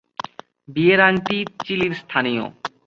বিয়ের আংটি চিলির স্থানীয়।